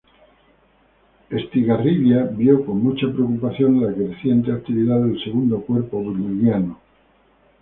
Estigarribia vio con mucha preocupación la creciente actividad del Segundo Cuerpo boliviano.